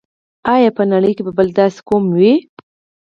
آیا په نړۍ کې به بل داسې قوم وي.